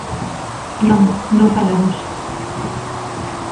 Non, non falamos.